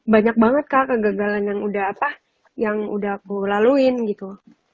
banyak banget kak kegagalan yang udah aku laluin gitu